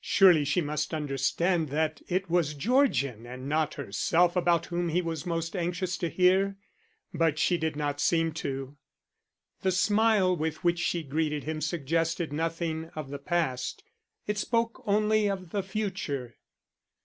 Surely she must understand that it was Georgian and not herself about whom he was most anxious to hear. But she did not seem to. The smile with which she greeted him suggested nothing of the past. It spoke only of the future.